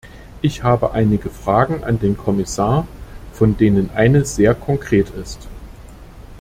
Ich habe einige Fragen an den Kommissar, von denen eine sehr konkret ist.